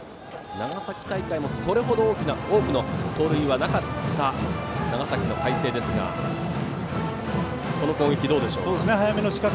長崎大会もそれほど多くの盗塁はなかった長崎の海星ですがこの攻撃はどうでしょうか。